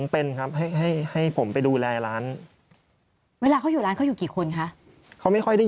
เป็นครับให้ให้ผมไปดูแลร้านเวลาเขาอยู่ร้านเขาอยู่กี่คนคะเขาไม่ค่อยได้